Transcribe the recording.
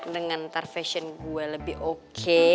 dengan ntar fashion gue lebih oke